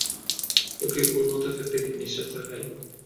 ওকে ওর মত থাকতে দিন, মিস্টার সাহায়!